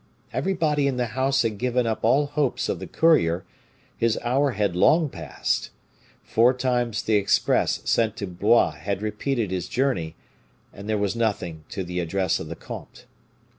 Everybody in the house had given up all hopes of the courier his hour had long passed. Four times the express sent to Blois had repeated his journey, and there was nothing to the address of the comte.